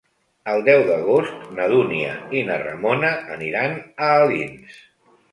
El deu d'agost na Dúnia i na Ramona aniran a Alins.